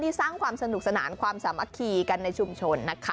นี่สร้างความสนุกสนานความสามัคคีกันในชุมชนนะคะ